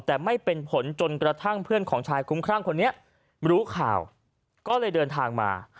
แต่ไม่เป็นผลจนกระทั่งเพื่อนของชายคุ้มครั่งคนนี้รู้ข่าวก็เลยเดินทางมา